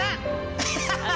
アハハハ！